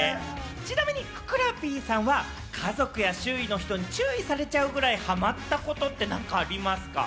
ちなみにふくらＰさんは家族や周囲の人に注意されちゃうぐらいハマったことって何かありますか？